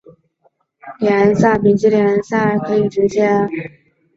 西部地区联赛的冠军可以直接升入丙级联赛。